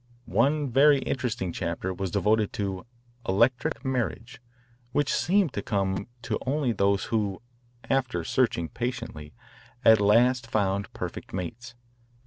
One very interesting chapter was devoted to " electric marriage," which seemed to come to those only who, after searching patiently, at last found perfect mates.